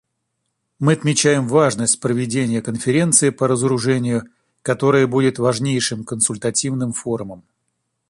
Мы отмечаем важность проведения конференции по разоружению, которая будет важнейшим консультативным форумом.